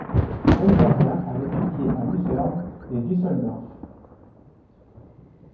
Weingartner a étudié à Lucerne et Düsseldorf.